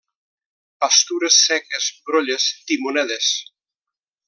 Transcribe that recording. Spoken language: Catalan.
Pastures seques, brolles, timonedes.